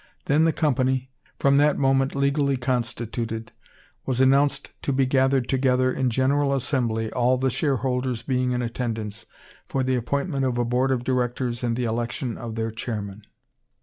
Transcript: Then the company, from that moment legally constituted, was announced to be gathered together in general assembly, all the shareholders being in attendance, for the appointment of a board of directors and the election of their chairman.